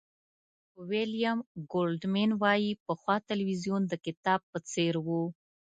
ویلیام گولډمېن وایي پخوا تلویزیون د کتاب په څېر و.